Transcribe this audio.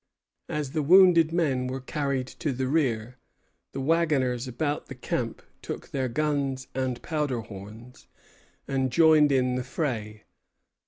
As the wounded men were carried to the rear, the wagoners about the camp took their guns and powder horns, and joined in the fray.